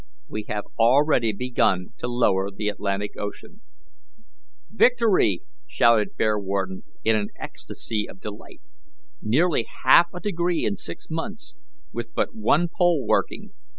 We have already begun to lower the Arctic Ocean." "Victory!" shouted Bearwarden, in an ecstasy of delight. "Nearly half a degree in six months, with but one pole working.